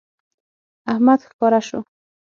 احمد ښکاره شو